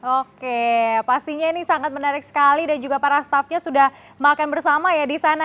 oke pastinya ini sangat menarik sekali dan juga para staffnya sudah makan bersama ya di sana